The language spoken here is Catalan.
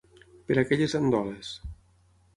Per aquelles andoles.